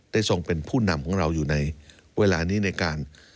ทรงเป็นผู้นำของเราอยู่ในเวลานี้ในการ